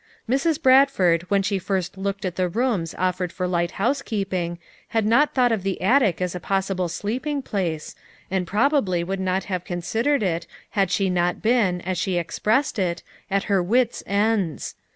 FOUR MOTHERS AT CHAUTAUQUA 101 Mrs. Bradford when she first looked at the rooms offered for light housekeeping had not thought of the attic as a possible sleeping place, and probably would not have considered it had she not been, as she expressed it, at her wits' ends.